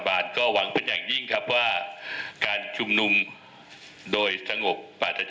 ก็หวังเป็นอย่างยิ่งครับว่าการชุมนุมโดยสงบปราศ